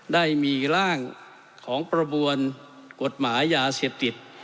ได้มีร่างของประบวนกฎหมายยาเสพติด